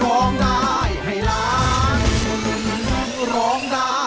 ร้องได้ให้ล้าน